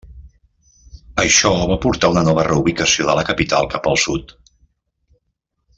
Això va portar a una nova reubicació de la capital cap al sud.